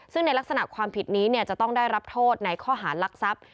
ซึ่งในลักษณะความผิดนี้จะต้องได้รับโทษในข้อหารลักทรัพย์